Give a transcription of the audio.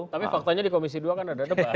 tapi faktanya di komisi dua kan ada debat